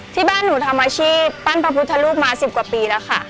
ที่บ้านหนูทำอาชีพปั้นพระพุทธรูปมา๑๐กว่าปีแล้วค่ะ